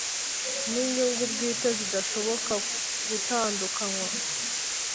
n inyungu bwite zidashoboka gutandukanywa